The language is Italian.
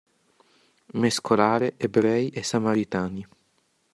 Mescolare ebrei e samaritani.